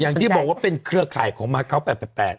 อย่างที่บอกว่าเป็นเครือไข่ของมาเค้าแปด